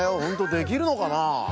ほんとできるのかなあ？